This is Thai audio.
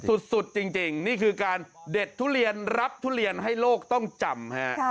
สุดจริงนี่คือการเด็ดทุเรียนรับทุเรียนให้โลกต้องจำฮะ